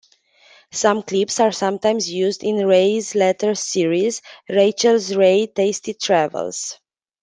Some clips are sometimes used in Ray's later series, "Rachael Ray's Tasty Travels".